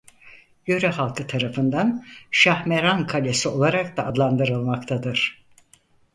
Yöre halkı tarafından Şahmeran kalesi olarak da adlandırılmaktadır.